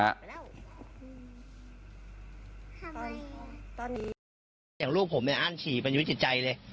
ทำไมตอนนี้อย่างลูกผมเนี้ยอั้นฉี่เป็นวิจิใจเลย